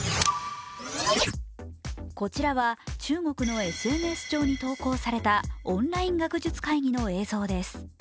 こちらは中国のＳＮＳ上に投稿されたオンライン学術会議の映像です。